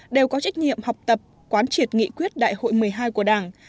đều có trách nhiệm học tập quán triệt nghị quyết đại hội một mươi hai của đảng